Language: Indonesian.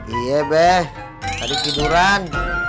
iya be tadi tiduran